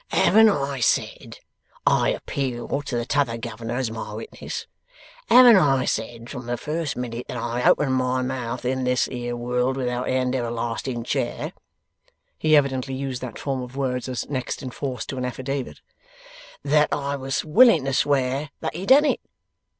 'Haven't I said I appeal to the T'other Governor as my witness haven't I said from the first minute that I opened my mouth in this here world without end everlasting chair' (he evidently used that form of words as next in force to an affidavit), 'that I was willing to swear that he done it?